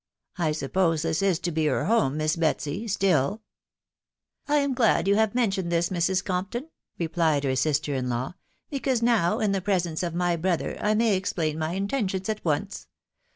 .•. I suppose this is to be her home, Miss Betsy, still ?"" I am glad you have mentioned^ this, Mrs. Gompton/' re plied her sister in law, " because now, in the presence of my brother, I may explain my intentions at onee.